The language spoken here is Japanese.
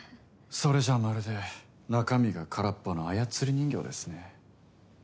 それじゃまるで中身が空っぽの操り人形ですね。